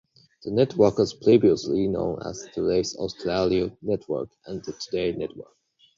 The network was previously known as Today's Austereo Network and the Today Network.